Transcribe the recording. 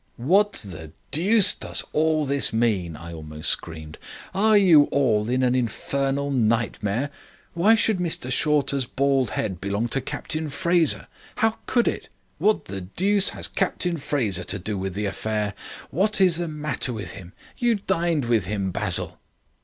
"What the deuce does all this mean?" I almost screamed. "Are you all in an infernal nightmare? Why should Mr Shorter's bald head belong to Captain Fraser? How could it? What the deuce has Captain Fraser to do with the affair? What is the matter with him? You dined with him, Basil."